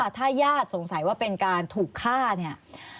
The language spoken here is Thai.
ถ้าญาติสงสัยว่าเป็นการถูกฆ่าเนี่ย